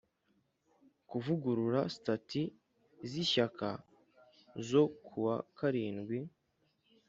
kuvugurura Sitati z Ishyaka zo ku wa karindwi